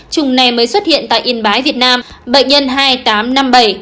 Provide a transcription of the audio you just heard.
trùng này mới xuất hiện tại yên bái việt nam bệnh nhân hai nghìn tám trăm năm mươi bảy